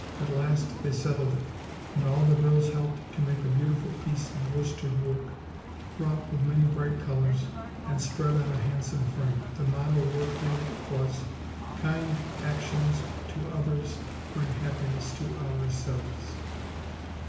At last they settled it, and all the girls helped to make a beautiful piece of worsted work, wrought with many bright colors, and spread on a handsome frame. The motto worked in it was "KIND ACTIONS TO OTHERS BRING HAPPINESS TO OURSELVES."